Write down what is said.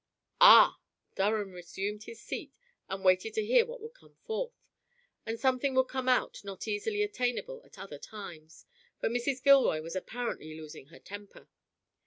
"Ah!" Durham resumed his seat and waited to hear what would come forth. And something would come out not easily attainable at other times, for Mrs. Gilroy was apparently losing her temper.